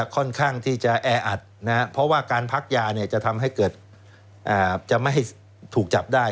ค่อนข้างที่จะแออัดนะครับเพราะว่าการพักยาเนี่ยจะทำให้เกิดจะไม่ถูกจับได้